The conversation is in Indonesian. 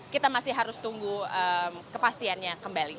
kita masih harus tunggu kepastiannya kembali